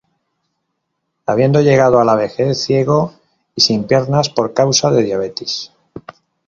Habiendo llegado a la vejez ciego y sin piernas por causa de diabetes.